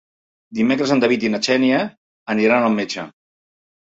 Dimecres en David i na Xènia aniran al metge.